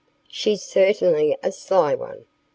"She's certainly a sly one!"